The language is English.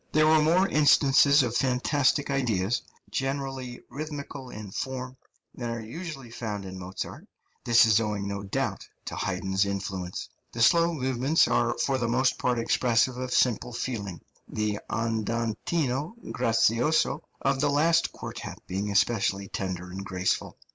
There are more instances of fantastic ideas, generally rhythmical in form, than are usually found in Mozart; this is owing, no doubt, to Haydn's influence. The slow movements are for the most part expressive of simple feeling, the andantino grazioso of the last quartet being especially tender and graceful.